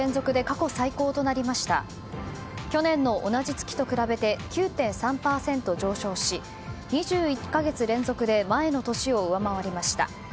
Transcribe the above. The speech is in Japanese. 去年の同じ月と比べて９．３％上昇し２１か月連続で前の年を上回りました。